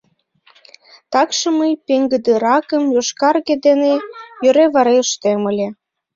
Такшым мый пеҥгыдыракым йошкарге дене йӧре-варе ыштем ыле.